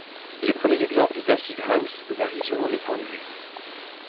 Les premiers exemples d'acid house varient selon les points de vue.